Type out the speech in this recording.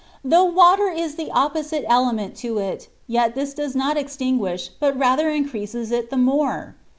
Though water is the opposite element to it, yet this does not extin guish, but rather increases it the more